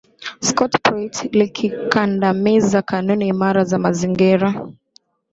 Scott Pruitt likikandamiza kanuni imara za mazingira